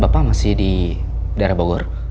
bapak masih di daerah bogor